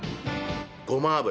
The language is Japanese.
ごま油。